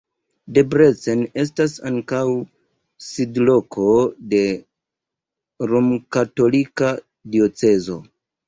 Debrecen estas ankaŭ sidloko de romkatolika diocezo.